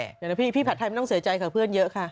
เดี๋ยวนะพี่ผัดไทยไม่ต้องเสียใจค่ะเพื่อนเยอะค่ะ